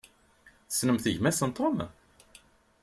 Tessnemt gma-s n Tom?